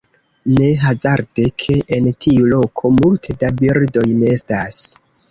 Ne hazarde, ke en tiu loko multe da birdoj nestas.